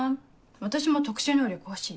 私も特殊能力欲しい。